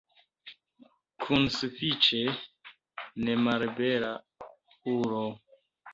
Kun sufiĉe nemalbela ulo.